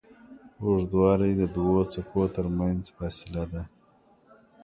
اوږدوالی د دوو څپو تر منځ فاصله ده.